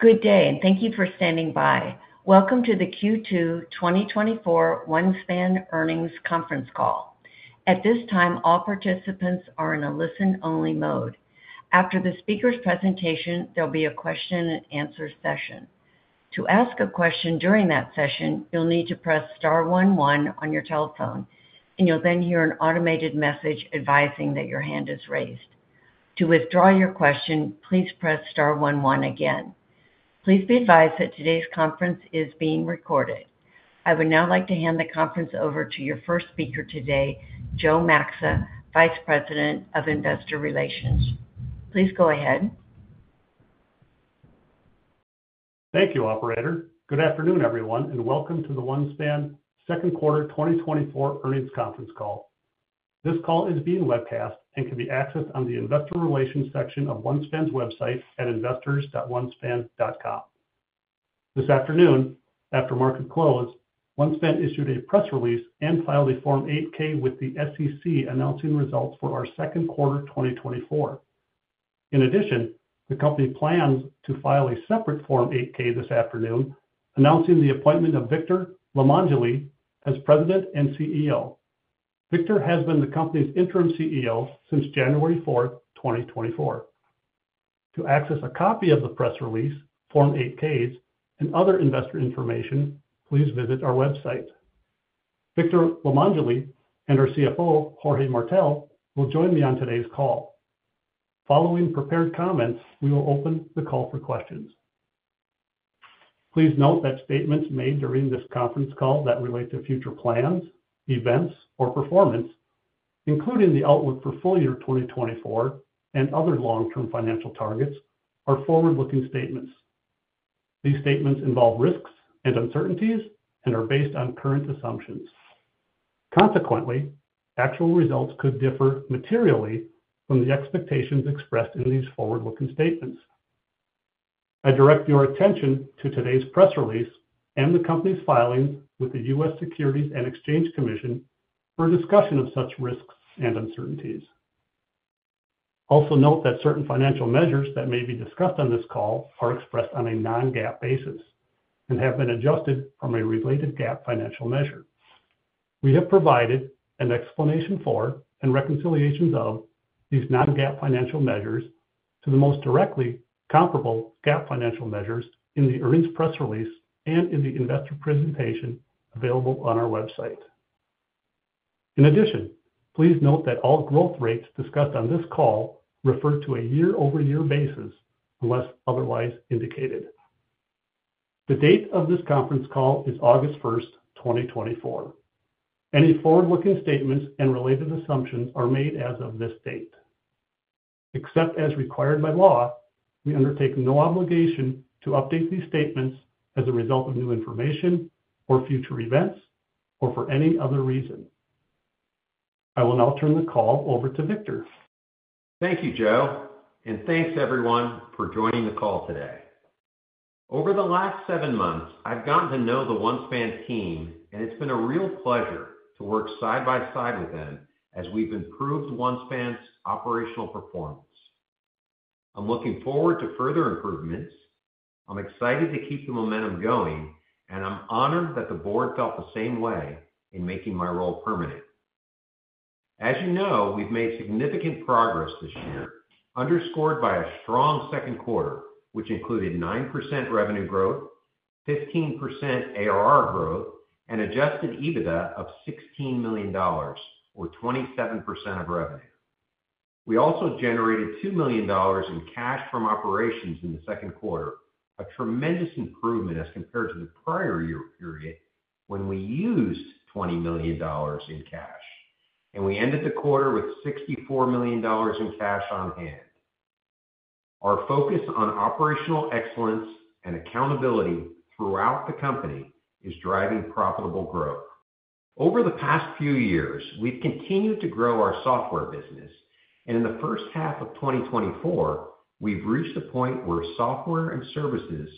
Good day, and thank you for standing by. Welcome to the Q2 2024 OneSpan earnings conference call. At this time, all participants are in a listen-only mode. After the speaker's presentation, there'll be a question-and-answer session. To ask a question during that session, you'll need to press Star 11 on your telephone, and you'll then hear an automated message advising that your hand is raised. To withdraw your question, please press Star 11 again. Please be advised that today's conference is being recorded. I would now like to hand the conference over to your first speaker today, Joe Maxa, Vice President of Investor Relations. Please go ahead. Thank you, Operator. Good afternoon, everyone, and welcome to the OneSpan second quarter 2024 earnings conference call. This call is being webcast and can be accessed on the Investor Relations section of OneSpan's website at investors.onespan.com. This afternoon, after market close, OneSpan issued a press release and filed a Form 8-K with the SEC announcing results for our second quarter 2024. In addition, the company plans to file a separate Form 8-K this afternoon, announcing the appointment of Victor Limongelli as President and CEO. Victor has been the company's interim CEO since January 4, 2024. To access a copy of the press release, Form 8-Ks, and other investor information, please visit our website. Victor Limongelli and our CFO, Jorge Martell, will join me on today's call. Following prepared comments, we will open the call for questions. Please note that statements made during this conference call that relate to future plans, events, or performance, including the outlook for full year 2024 and other long-term financial targets, are forward-looking statements. These statements involve risks and uncertainties and are based on current assumptions. Consequently, actual results could differ materially from the expectations expressed in these forward-looking statements. I direct your attention to today's press release and the company's filings with the U.S. Securities and Exchange Commission for discussion of such risks and uncertainties. Also note that certain financial measures that may be discussed on this call are expressed on a non-GAAP basis and have been adjusted from a related GAAP financial measure. We have provided an explanation for and reconciliations of these non-GAAP financial measures to the most directly comparable GAAP financial measures in the earnings press release and in the investor presentation available on our website. In addition, please note that all growth rates discussed on this call refer to a year-over-year basis, unless otherwise indicated. The date of this conference call is August 1, 2024. Any forward-looking statements and related assumptions are made as of this date. Except as required by law, we undertake no obligation to update these statements as a result of new information or future events or for any other reason. I will now turn the call over to Victor. Thank you, Joe, and thanks, everyone, for joining the call today. Over the last seven months, I've gotten to know the OneSpan team, and it's been a real pleasure to work side by side with them as we've improved OneSpan's operational performance. I'm looking forward to further improvements. I'm excited to keep the momentum going, and I'm honored that the board felt the same way in making my role permanent. As you know, we've made significant progress this year, underscored by a strong second quarter, which included 9% revenue growth, 15% ARR growth, and Adjusted EBITDA of $16 million, or 27% of revenue. We also generated $2 million in cash from operations in the second quarter, a tremendous improvement as compared to the prior year period when we used $20 million in cash, and we ended the quarter with $64 million in cash on hand. Our focus on operational excellence and accountability throughout the company is driving profitable growth. Over the past few years, we've continued to grow our software business, and in the first half of 2024, we've reached a point where software and services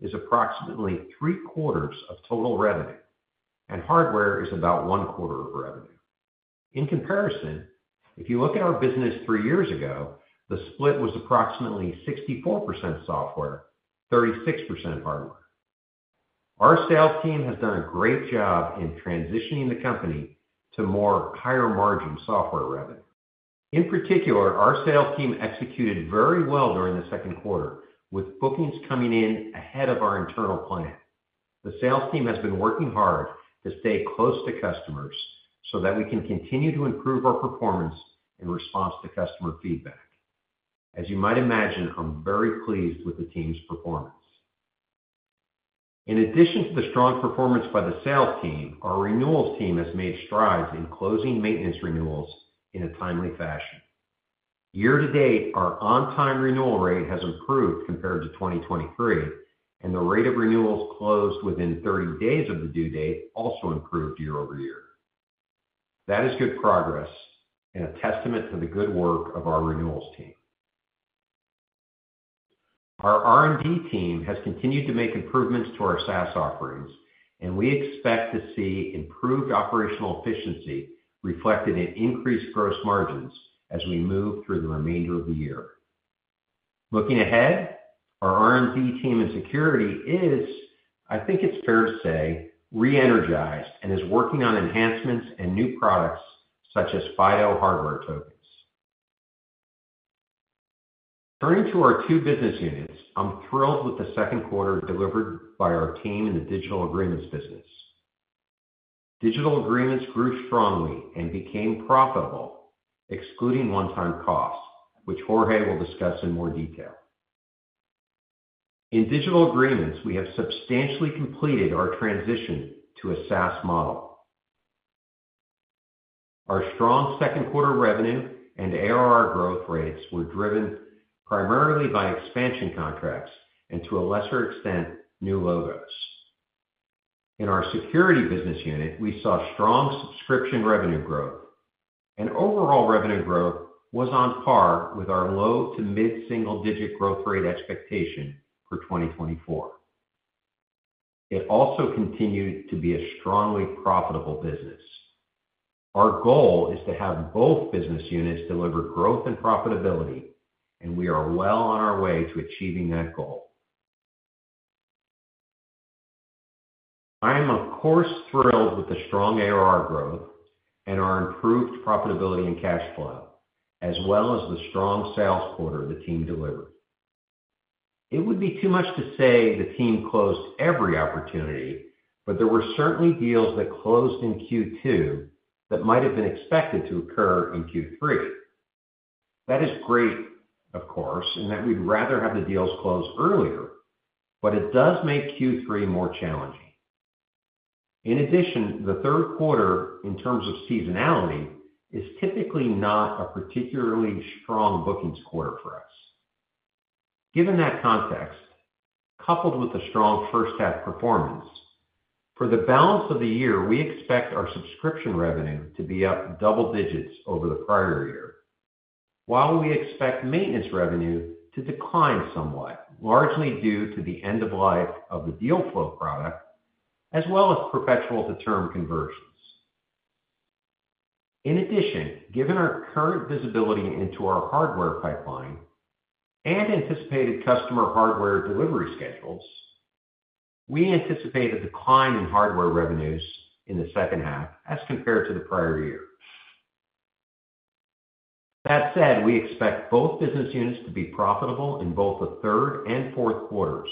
is approximately three-quarters of total revenue, and hardware is about one-quarter of revenue. In comparison, if you look at our business three years ago, the split was approximately 64% software, 36% hardware. Our sales team has done a great job in transitioning the company to more higher-margin software revenue. In particular, our sales team executed very well during the second quarter, with bookings coming in ahead of our internal plan. The sales team has been working hard to stay close to customers so that we can continue to improve our performance in response to customer feedback. As you might imagine, I'm very pleased with the team's performance. In addition to the strong performance by the sales team, our renewals team has made strides in closing maintenance renewals in a timely fashion. Year-to-date, our on-time renewal rate has improved compared to 2023, and the rate of renewals closed within 30 days of the due date also improved year-over-year. That is good progress and a testament to the good work of our renewals team. Our R&D team has continued to make improvements to our SaaS offerings, and we expect to see improved operational efficiency reflected in increased gross margins as we move through the remainder of the year. Looking ahead, our R&D team and security is, I think it's fair to say, re-energized and is working on enhancements and new products such as FIDO hardware tokens. Turning to our two business units, I'm thrilled with the second quarter delivered by our team in the digital agreements business. Digital agreements grew strongly and became profitable, excluding one-time costs, which Jorge will discuss in more detail. In digital agreements, we have substantially completed our transition to a SaaS model. Our strong second quarter revenue and ARR growth rates were driven primarily by expansion contracts and, to a lesser extent, new logos. In our security business unit, we saw strong subscription revenue growth. Overall revenue growth was on par with our low to mid-single-digit growth rate expectation for 2024. It also continued to be a strongly profitable business. Our goal is to have both business units deliver growth and profitability, and we are well on our way to achieving that goal. I am, of course, thrilled with the strong ARR growth and our improved profitability and cash flow, as well as the strong sales quarter the team delivered. It would be too much to say the team closed every opportunity, but there were certainly deals that closed in Q2 that might have been expected to occur in Q3. That is great, of course, and that we'd rather have the deals close earlier, but it does make Q3 more challenging. In addition, the third quarter, in terms of seasonality, is typically not a particularly strong bookings quarter for us. Given that context, coupled with the strong first-half performance, for the balance of the year, we expect our subscription revenue to be up double digits over the prior year, while we expect maintenance revenue to decline somewhat, largely due to the end-of-life of the Dealflo product, as well as perpetual-to-term conversions. In addition, given our current visibility into our hardware pipeline and anticipated customer hardware delivery schedules, we anticipate a decline in hardware revenues in the second half as compared to the prior year. That said, we expect both business units to be profitable in both the third and fourth quarters,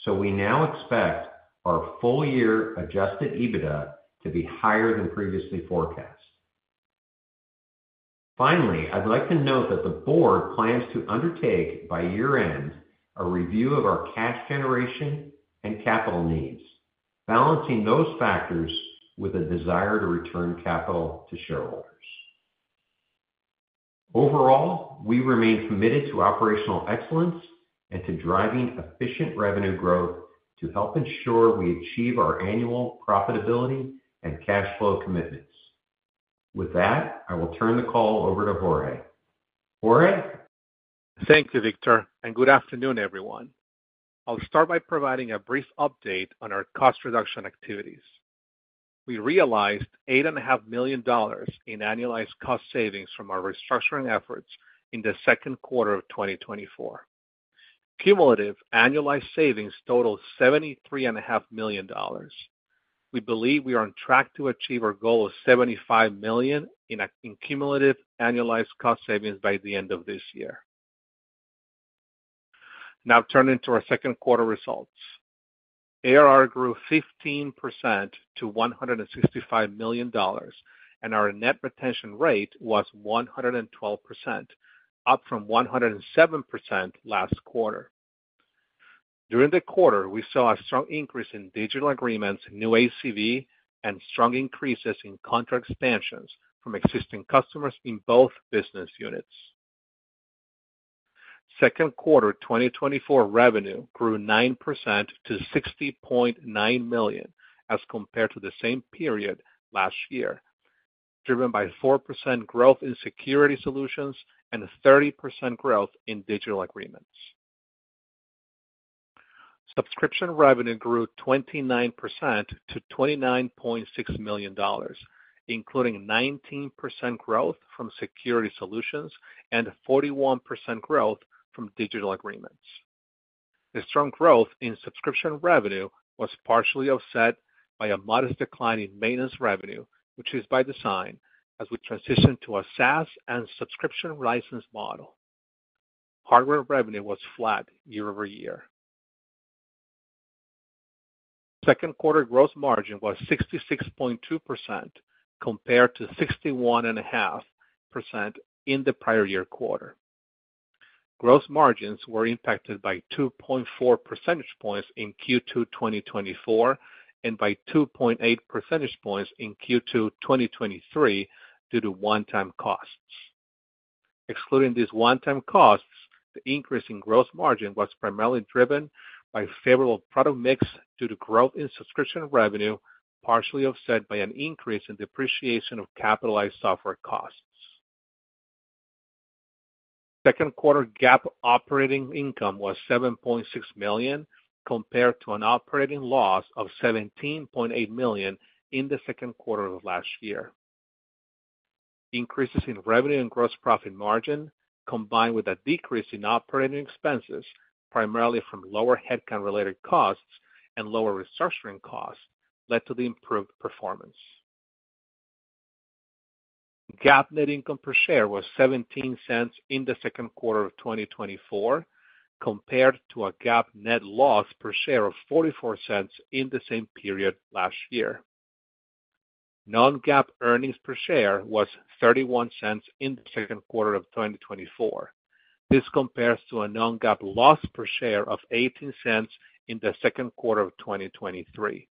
so we now expect our full-year Adjusted EBITDA to be higher than previously forecast. Finally, I'd like to note that the board plans to undertake, by year-end, a review of our cash generation and capital needs, balancing those factors with a desire to return capital to shareholders. Overall, we remain committed to operational excellence and to driving efficient revenue growth to help ensure we achieve our annual profitability and cash flow commitments. With that, I will turn the call over to Jorge. Jorge. Thank you, Victor, and good afternoon, everyone. I'll start by providing a brief update on our cost reduction activities. We realized $8.5 million in annualized cost savings from our restructuring efforts in the second quarter of 2024. Cumulative annualized savings total $73.5 million. We believe we are on track to achieve our goal of $75 million in cumulative annualized cost savings by the end of this year. Now, turning to our second quarter results, ARR grew 15% to $165 million, and our net retention rate was 112%, up from 107% last quarter. During the quarter, we saw a strong increase in digital agreements, new ACV, and strong increases in contract expansions from existing customers in both business units. Second quarter 2024 revenue grew 9% to $60.9 million as compared to the same period last year, driven by 4% growth in security solutions and 30% growth in digital agreements. Subscription revenue grew 29% to $29.6 million, including 19% growth from security solutions and 41% growth from digital agreements. The strong growth in subscription revenue was partially offset by a modest decline in maintenance revenue, which is by design, as we transitioned to a SaaS and subscription license model. Hardware revenue was flat year-over-year. Second quarter gross margin was 66.2% compared to 61.5% in the prior year quarter. Gross margins were impacted by 2.4 percentage points in Q2 2024 and by 2.8 percentage points in Q2 2023 due to one-time costs. Excluding these one-time costs, the increase in gross margin was primarily driven by favorable product mix due to growth in subscription revenue, partially offset by an increase in depreciation of capitalized software costs. Second quarter GAAP operating income was $7.6 million compared to an operating loss of $17.8 million in the second quarter of last year. Increases in revenue and gross profit margin, combined with a decrease in operating expenses, primarily from lower headcount-related costs and lower restructuring costs, led to the improved performance. GAAP net income per share was $0.17 in the second quarter of 2024, compared to a GAAP net loss per share of $0.44 in the same period last year. Non-GAAP earnings per share was $0.31 in the second quarter of 2024. This compares to a non-GAAP loss per share of $0.18 in the second quarter of 2023.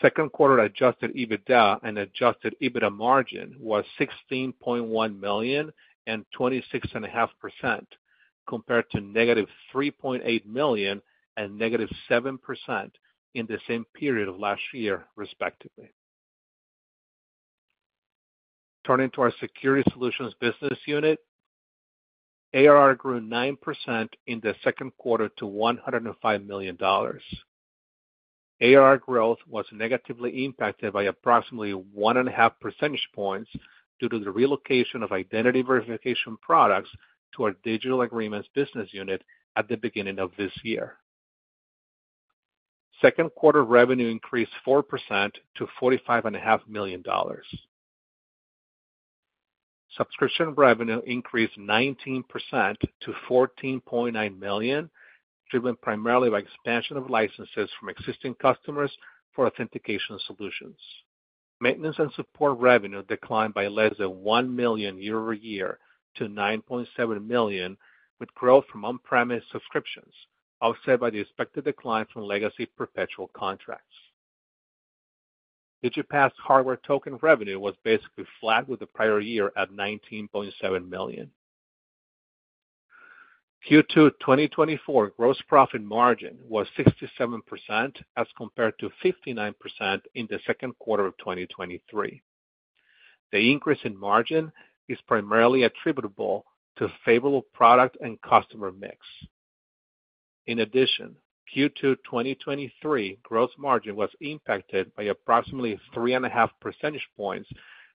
Second quarter adjusted EBITDA and adjusted EBITDA margin was $16.1 million and 26.5%, compared to -$3.8 million and -7% in the same period of last year, respectively. Turning to our security solutions business unit, ARR grew 9% in the second quarter to $105 million. ARR growth was negatively impacted by approximately 1.5 percentage points due to the relocation of identity verification products to our digital agreements business unit at the beginning of this year. Second quarter revenue increased 4% to $45.5 million. Subscription revenue increased 19% to $14.9 million, driven primarily by expansion of licenses from existing customers for authentication solutions. Maintenance and support revenue declined by less than $1 million year-over-year to $9.7 million, with growth from on-premise subscriptions, offset by the expected decline from legacy perpetual contracts. Digipass hardware token revenue was basically flat with the prior year at $19.7 million. Q2 2024 gross profit margin was 67% as compared to 59% in the second quarter of 2023. The increase in margin is primarily attributable to favorable product and customer mix. In addition, Q2 2023 gross margin was impacted by approximately 3.5 percentage points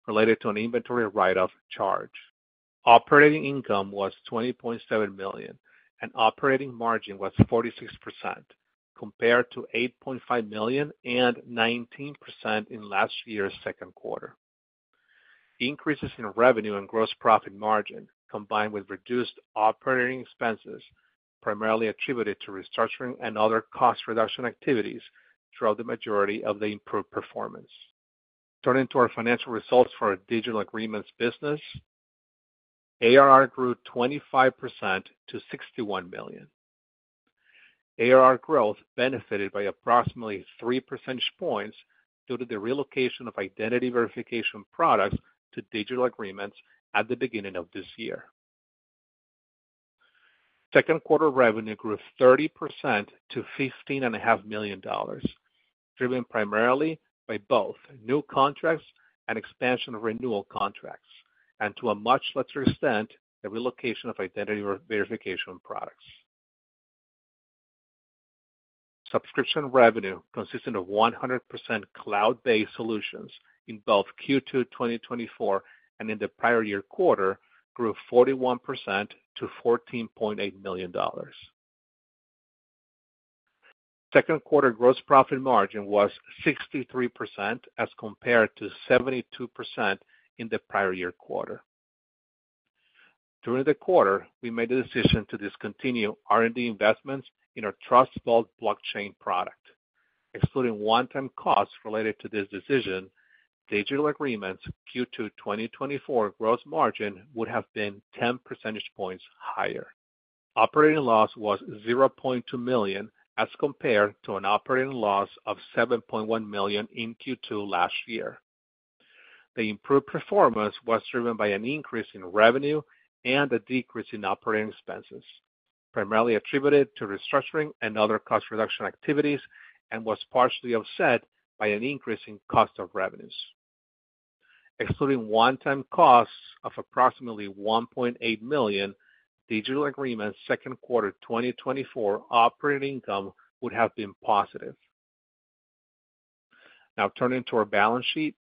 related to an inventory write-off charge. Operating income was $20.7 million, and operating margin was 46%, compared to $8.5 million and 19% in last year's second quarter. Increases in revenue and gross profit margin, combined with reduced operating expenses, primarily attributed to restructuring and other cost reduction activities, drove the majority of the improved performance. Turning to our financial results for our digital agreements business, ARR grew 25% to $61 million. ARR growth benefited by approximately 3 percentage points due to the relocation of identity verification products to digital agreements at the beginning of this year. Second quarter revenue grew 30% to $15.5 million, driven primarily by both new contracts and expansion of renewal contracts, and to a much lesser extent, the relocation of identity verification products. Subscription revenue, consisting of 100% cloud-based solutions in both Q2 2024 and in the prior year quarter, grew 41% to $14.8 million. Second quarter gross profit margin was 63% as compared to 72% in the prior year quarter. During the quarter, we made the decision to discontinue R&D investments in our TrustVault blockchain product. Excluding one-time costs related to this decision, digital agreements Q2 2024 gross margin would have been 10 percentage points higher. Operating loss was $0.2 million as compared to an operating loss of $7.1 million in Q2 last year. The improved performance was driven by an increase in revenue and a decrease in operating expenses, primarily attributed to restructuring and other cost reduction activities, and was partially offset by an increase in cost of revenues. Excluding one-time costs of approximately $1.8 million, digital agreements second quarter 2024 operating income would have been positive. Now, turning to our balance sheet,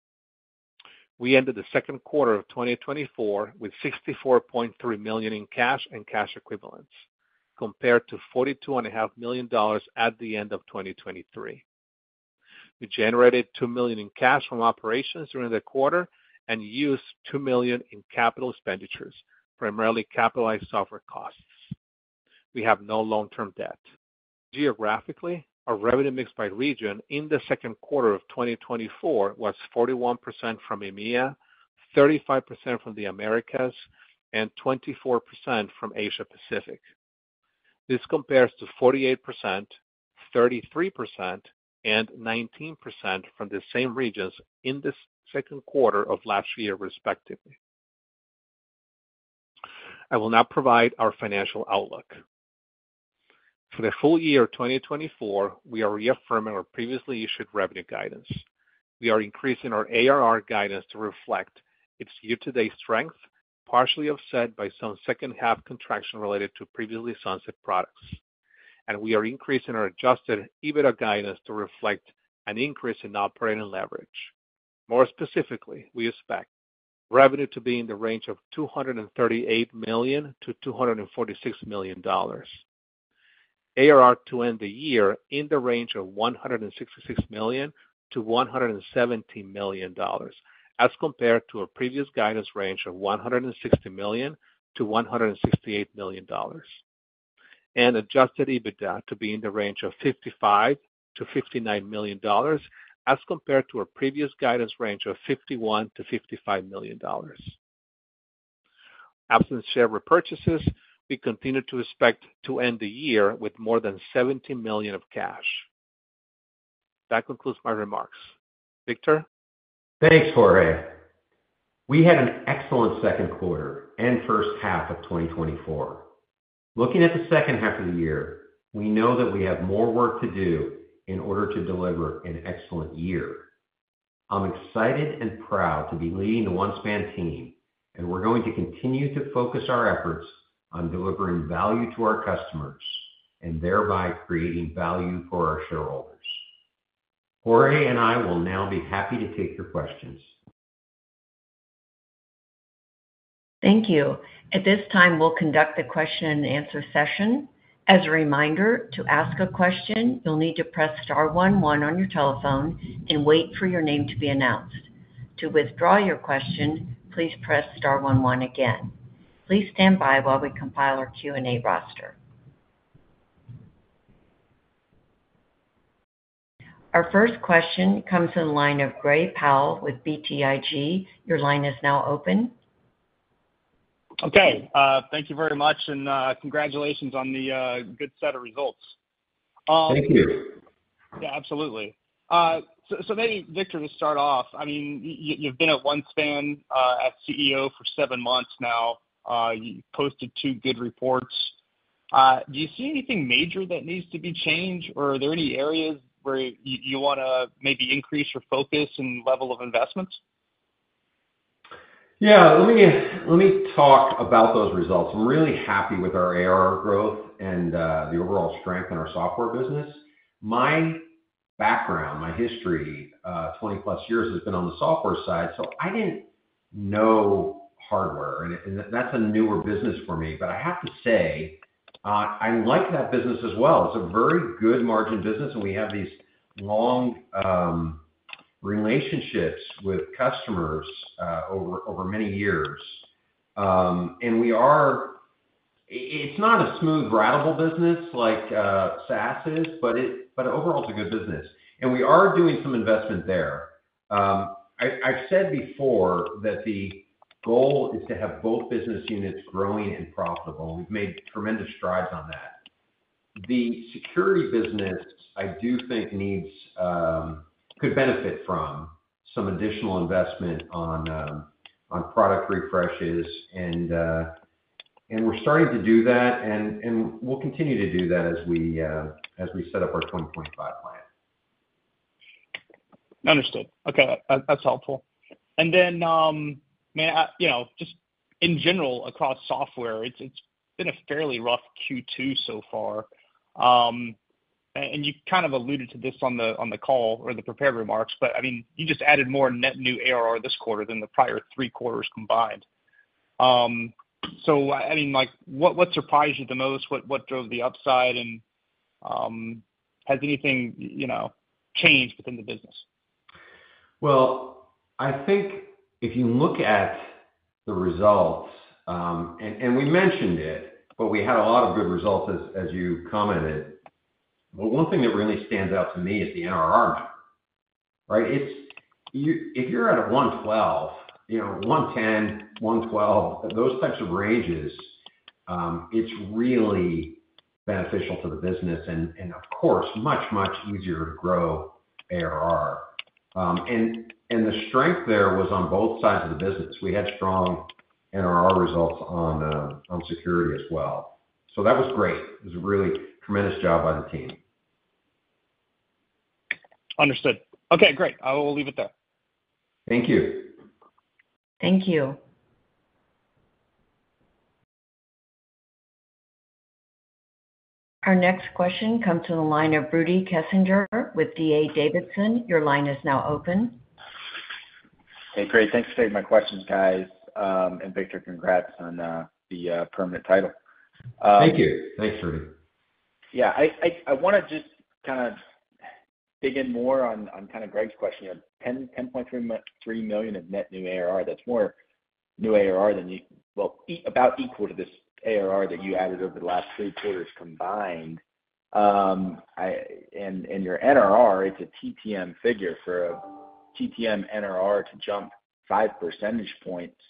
we ended the second quarter of 2024 with $64.3 million in cash and cash equivalents, compared to $42.5 million at the end of 2023. We generated $2 million in cash from operations during the quarter and used $2 million in capital expenditures, primarily capitalized software costs. We have no long-term debt. Geographically, our revenue mix by region in the second quarter of 2024 was 41% from EMEA, 35% from the Americas, and 24% from Asia-Pacific. This compares to 48%, 33%, and 19% from the same regions in the second quarter of last year, respectively. I will now provide our financial outlook. For the full year of 2024, we are reaffirming our previously issued revenue guidance. We are increasing our ARR guidance to reflect its year-to-date strength, partially offset by some second-half contraction related to previously sunset products, and we are increasing our adjusted EBITDA guidance to reflect an increase in operating leverage. More specifically, we expect revenue to be in the range of $238 million-$246 million. ARR to end the year in the range of $166 million-$117 million, as compared to our previous guidance range of $160 million-$168 million, and adjusted EBITDA to be in the range of $55 million-$59 million, as compared to our previous guidance range of $51 million-$55 million. Absent share repurchases, we continue to expect to end the year with more than $17 million of cash. That concludes my remarks. Victor? Thanks, Jorge. We had an excellent second quarter and first half of 2024. Looking at the second half of the year, we know that we have more work to do in order to deliver an excellent year. I'm excited and proud to be leading the OneSpan Team, and we're going to continue to focus our efforts on delivering value to our customers and thereby creating value for our shareholders. Jorge and I will now be happy to take your questions. Thank you. At this time, we'll conduct the question-and-answer session. As a reminder, to ask a question, you'll need to press star 11 on your telephone and wait for your name to be announced. To withdraw your question, please press star 11 again. Please stand by while we compile our Q&A roster. Our first question comes in the line of Gray Powell with BTIG. Your line is now open. Okay. Thank you very much, and congratulations on the good set of results. Thank you. Yeah, absolutely. So maybe, Victor, to start off, I mean, you've been at OneSpan as CEO for seven months now. You posted two good reports. Do you see anything major that needs to be changed, or are there any areas where you want to maybe increase your focus and level of investment? Yeah. Let me talk about those results. I'm really happy with our ARR growth and the overall strength in our software business. My background, my history, 20+ years, has been on the software side, so I didn't know hardware. That's a newer business for me. I have to say, I like that business as well. It's a very good margin business, and we have these long relationships with customers over many years. It's not a smooth, ratable business like SaaS is, but overall, it's a good business. We are doing some investment there. I've said before that the goal is to have both business units growing and profitable, and we've made tremendous strides on that. The security business, I do think, could benefit from some additional investment on product refreshes, and we're starting to do that, and we'll continue to do that as we set up our 2025 plan. Understood. Okay. That's helpful. And then, I mean, just in general, across software, it's been a fairly rough Q2 so far. And you kind of alluded to this on the call or the prepared remarks, but I mean, you just added more net new ARR this quarter than the prior three quarters combined. So I mean, what surprised you the most? What drove the upside? And has anything changed within the business? Well, I think if you look at the results, and we mentioned it, but we had a lot of good results, as you commented. Well, one thing that really stands out to me is the NRR number, right? If you're at a 112, 110, 112, those types of ranges, it's really beneficial to the business and, of course, much, much easier to grow ARR. And the strength there was on both sides of the business. We had strong NRR results on security as well. So that was great. It was a really tremendous job by the team. Understood. Okay. Great. I will leave it there. Thank you. Thank you. Our next question comes from the line of Rudy Kessinger with D.A. Davidson. Your line is now open. Hey, Gray. Thanks for taking my questions, guys. Victor, congrats on the permanent title. Thank you. Thanks, Rudy. Yeah. I want to just kind of dig in more on kind of Gray's question. You have $10.3 million of net new ARR. That's more new ARR than you well, about equal to this ARR that you added over the last three quarters combined. And your NRR, it's a TTM figure. For a TTM NRR to jump five percentage points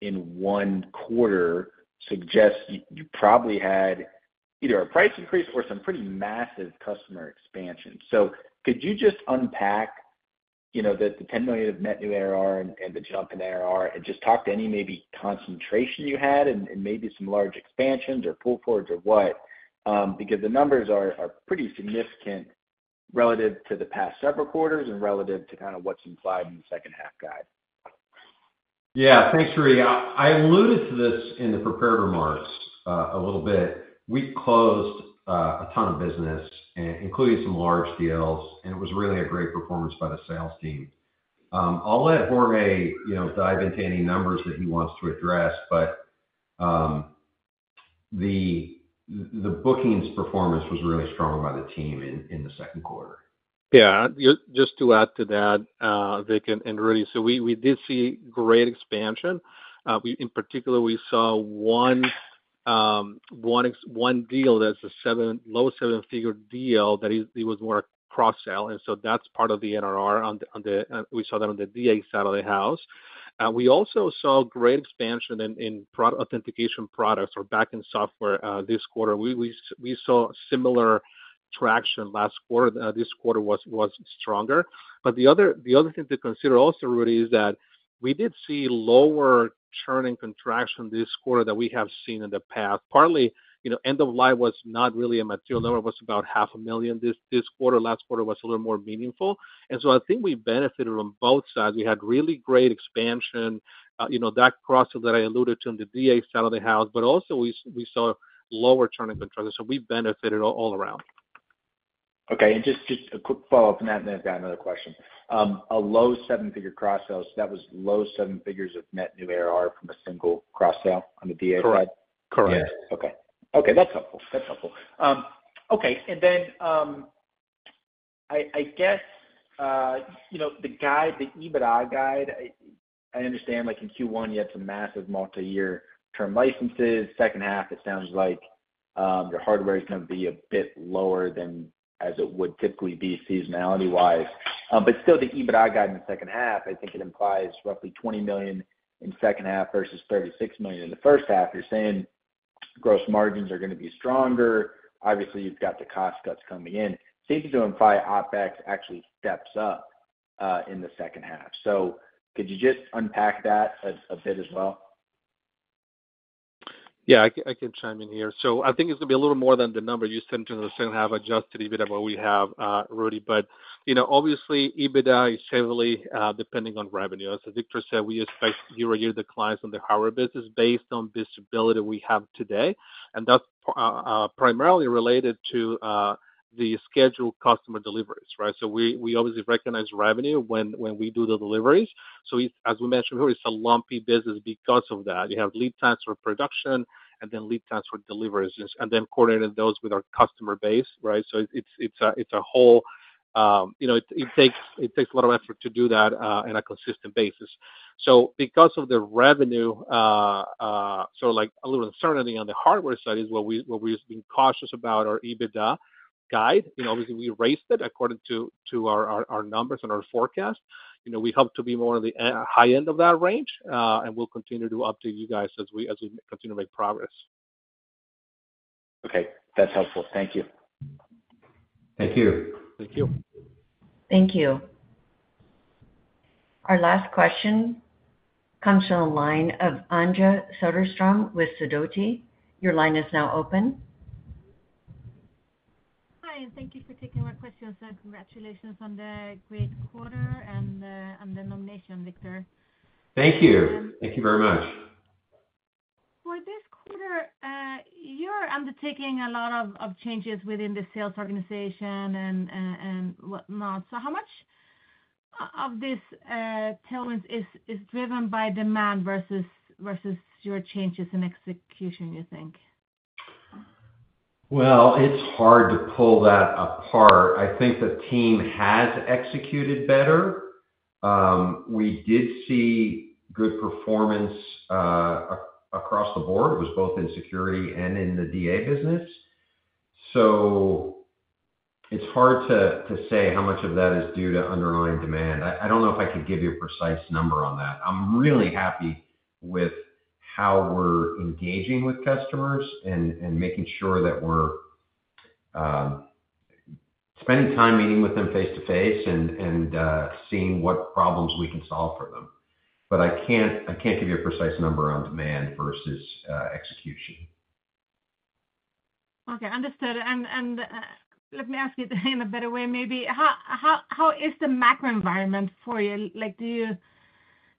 in one quarter suggests you probably had either a price increase or some pretty massive customer expansion. So could you just unpack the $10 million of net new ARR and the jump in ARR and just talk to any maybe concentration you had and maybe some large expansions or pull forwards or what? Because the numbers are pretty significant relative to the past several quarters and relative to kind of what's implied in the second half, guy. Yeah. Thanks, Rudy. I alluded to this in the prepared remarks a little bit. We closed a ton of business, including some large deals, and it was really a great performance by the sales team. I'll let Jorge dive into any numbers that he wants to address, but the bookings performance was really strong by the team in the second quarter. Yeah. Just to add to that, Vic and Rudy, so we did see great expansion. In particular, we saw one deal that's a low seven-figure deal that was more cross-sell. And so that's part of the NRR. We saw that on the D.A. side of the house. We also saw great expansion in authentication products or backend software this quarter. We saw similar traction last quarter. This quarter was stronger. But the other thing to consider also, Rudy, is that we did see lower churn and contraction this quarter than we have seen in the past. Partly, end-of-life was not really a material number. It was about $500,000 this quarter. Last quarter was a little more meaningful. And so I think we benefited on both sides. We had really great expansion, that cross-sell that I alluded to on the D.A. side of the house, but also we saw lower churn and contraction. So we benefited all around. Okay. And just a quick follow-up on that, and then I've got another question. A low seven-figure cross-sell. So that was low seven figures of net new ARR from a single cross-sell on the D.A. side? Correct. Correct. Yeah. Okay. Okay. That's helpful. That's helpful. Okay. And then I guess the EBITDA guide, I understand in Q1, you had some massive multi-year term licenses. Second half, it sounds like your hardware is going to be a bit lower than as it would typically be seasonality-wise. But still, the EBITDA guide in the second half, I think it implies roughly $20 million in second half versus $36 million in the first half. You're saying gross margins are going to be stronger. Obviously, you've got the cost cuts coming in. Seems to imply OpEx actually steps up in the second half. So could you just unpack that a bit as well? Yeah. I can chime in here. So I think it's going to be a little more than the number you said in the second half adjusted EBITDA what we have, Rudy. But obviously, EBITDA is heavily depending on revenue. As Victor said, we expect year-on-year declines on the hardware business based on visibility we have today. And that's primarily related to the scheduled customer deliveries, right? So we obviously recognize revenue when we do the deliveries. So as we mentioned before, it's a lumpy business because of that. You have lead times for production and then lead times for deliveries, and then coordinating those with our customer base, right? So it's a whole it takes a lot of effort to do that on a consistent basis. So because of the revenue, sort of a little uncertainty on the hardware side is what we've been cautious about our EBITDA guide. Obviously, we raised it according to our numbers and our forecast. We hope to be more on the high end of that range, and we'll continue to update you guys as we continue to make progress. Okay. That's helpful. Thank you. Thank you. Thank you. Thank you. Our last question comes from the line of Anja Söderström with Sidoti. Your line is now open. Hi. Thank you for taking my questions. Congratulations on the great quarter and the nomination, Victor. Thank you. Thank you very much. For this quarter, you're undertaking a lot of changes within the sales organization and whatnot. How much of this talent is driven by demand versus your changes in execution, you think? Well, it's hard to pull that apart. I think the team has executed better. We did see good performance across the board. It was both in security and in the DA business. So it's hard to say how much of that is due to underlying demand. I don't know if I could give you a precise number on that. I'm really happy with how we're engaging with customers and making sure that we're spending time meeting with them face-to-face and seeing what problems we can solve for them. But I can't give you a precise number on demand versus execution. Okay. Understood. And let me ask it in a better way, maybe. How is the macro environment for you?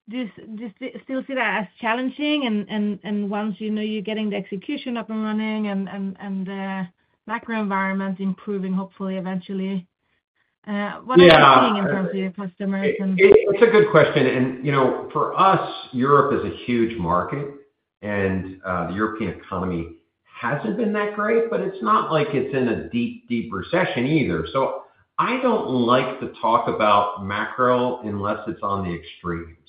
Do you still see that as challenging? And once you know you're getting the execution up and running and the macro environment improving, hopefully, eventually, what are you seeing in terms of your customers? Yeah. It's a good question. For us, Europe is a huge market, and the European economy hasn't been that great, but it's not like it's in a deep, deep recession either. So I don't like to talk about macro unless it's on the extremes,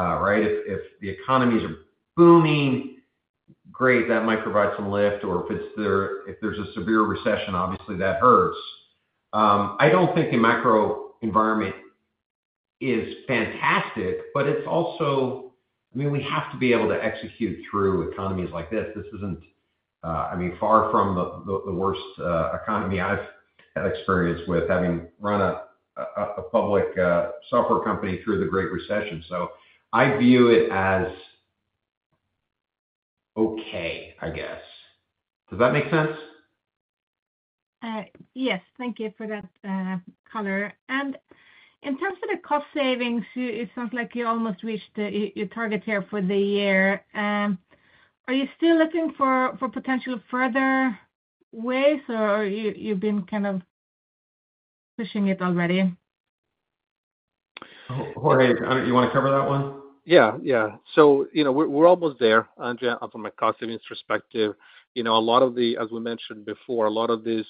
right? If the economies are booming, great, that might provide some lift. Or if there's a severe recession, obviously, that hurts. I don't think the macro environment is fantastic, but it's also I mean, we have to be able to execute through economies like this. This isn't, I mean, far from the worst economy I've had experience with having run a public software company through the Great Recession. So I view it as okay, I guess. Does that make sense? Yes. Thank you for that, Color. In terms of the cost savings, it sounds like you almost reached your target here for the year. Are you still looking for potential further ways, or you've been kind of pushing it already? Jorge, you want to cover that one? Yeah. Yeah. So we're almost there, Anja, from a cost savings perspective. A lot of the, as we mentioned before, a lot of the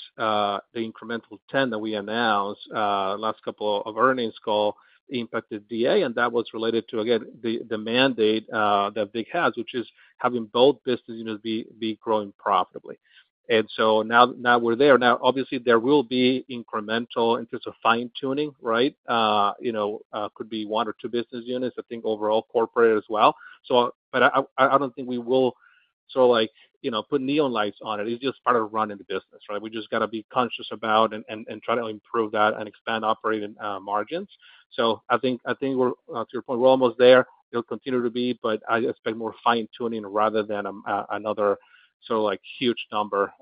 incremental $10 that we announced last couple of earnings calls impacted DA, and that was related to, again, the mandate that Vic has, which is having both business units be growing profitably. So now we're there. Now, obviously, there will be incremental in terms of fine-tuning, right? Could be 1 or 2 business units, I think, overall corporate as well. But I don't think we will sort of put neon lights on it. It's just part of running the business, right? We just got to be conscious about and try to improve that and expand operating margins. So I think, to your point, we're almost there. It'll continue to be, but I expect more fine-tuning rather than another sort of huge number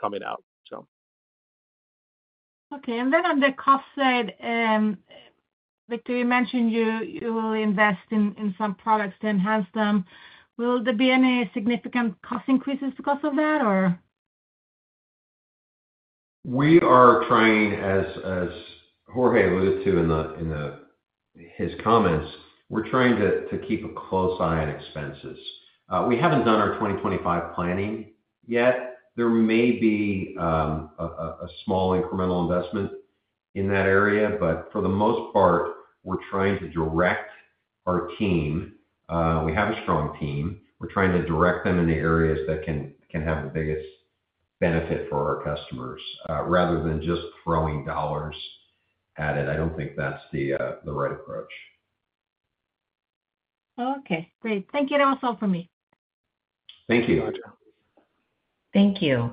coming out, so. Okay. Then on the cost side, Victor, you mentioned you will invest in some products to enhance them. Will there be any significant cost increases because of that, or? We are trying, as Jorge alluded to in his comments, we're trying to keep a close eye on expenses. We haven't done our 2025 planning yet. There may be a small incremental investment in that area, but for the most part, we're trying to direct our team. We have a strong team. We're trying to direct them in the areas that can have the biggest benefit for our customers rather than just throwing dollars at it. I don't think that's the right approach. Okay. Great. Thank you. That was all for me. Thank you. Thank you.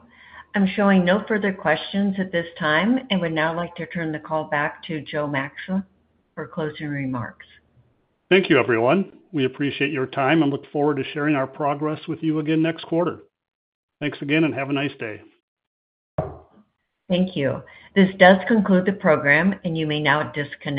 I'm showing no further questions at this time, and would now like to turn the call back to Joe Maxa for closing remarks. Thank you, everyone. We appreciate your time and look forward to sharing our progress with you again next quarter. Thanks again, and have a nice day. Thank you. This does conclude the program, and you may now disconnect.